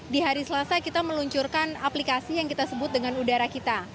di hari selasa kita meluncurkan aplikasi yang kita sebut dengan udara kita